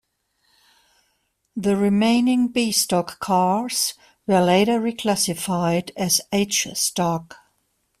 The remaining B Stock cars were later reclassified as H Stock.